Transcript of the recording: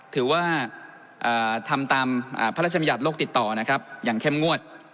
ถือว่าทำตามพระราชบัญญัติโลกติดต่อนะครับอย่างเข้มงวด